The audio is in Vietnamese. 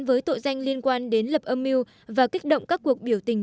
với tội danh liên quan đến lập âm mưu và kích động các cuộc biểu tình